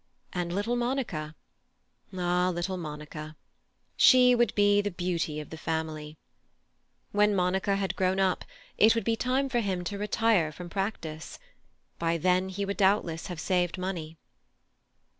And little Monica—ah, little Monica! she would be the beauty of the family. When Monica had grown up it would be time for him to retire from practice; by then he would doubtless have saved money.